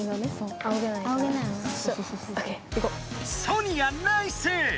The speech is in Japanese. ソニアナイス！